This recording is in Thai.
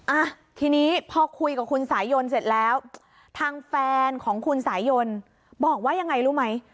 อ่ะทีนี้พอคุยกับคุณสายยนเสร็จแล้วทางแฟนของคุณสายยนบอกว่ายังไงรู้ไหม